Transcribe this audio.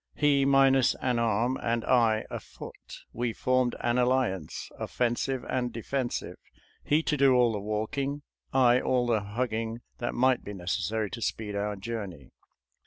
He minus an arm, and I, a foot, we formed an alliance, offensive and defensive — he to do all the walking — I, all the hugging that might be necessary to speed our journey.